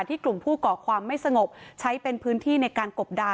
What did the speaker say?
กลุ่มผู้ก่อความไม่สงบใช้เป็นพื้นที่ในการกบดา